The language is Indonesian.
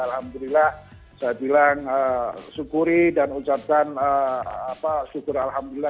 alhamdulillah saya bilang syukuri dan ucapkan syukur alhamdulillah